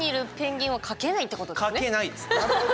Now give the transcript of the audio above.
かけないです。